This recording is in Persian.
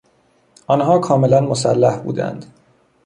آنها کاملا مسلح بودند.